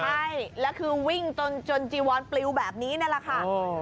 ใช่แล้วคือวิ่งจนจีวอนปลิวแบบนี้นั่นแหละค่ะ